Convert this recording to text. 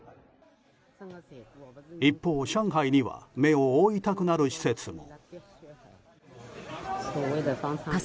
一方、上海には目を覆いたくなる施設も。